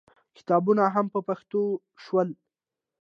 کتابونه هم په پښتو شول.